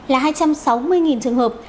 là hai trăm sáu mươi trường hợp